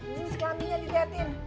jenis klaminya dilihatin